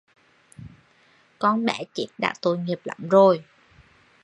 con bé chết đã tội nghiệp lắm rồi